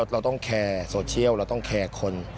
เราต้องแคร์โซเชียลเราต้องแคร์คน